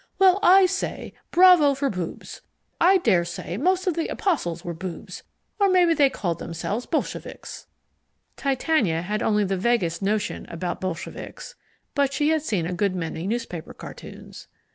Well, I say bravo for boobs! I daresay most of the apostles were boobs or maybe they called them bolsheviks." Titania had only the vaguest notion about bolsheviks, but she had seen a good many newspaper cartoons.